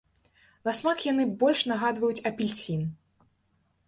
На смак яны больш нагадваюць апельсін.